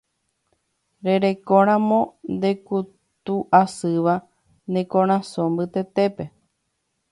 Rerekóramo ndekutu'asýva ne korasõ mbytetépe.